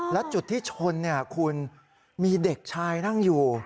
และจุดที่ชนคุณมีเด็กชายนั่งอยู่